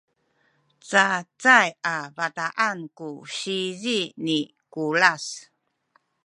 cacay a bataan ku sizi ni Kulas